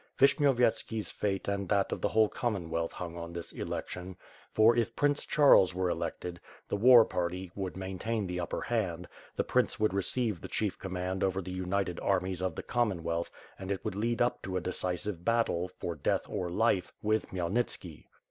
Vishnyovyetski's fate and that of the whole Commonwealth hung on this election; for, if Prince Charles were elected, the war party would maintain the upper hand — the prince would receive the chief command over the united armies of the Commonwealth and it would lead up to a decisive battle, for death or life, with Khmyel nitski.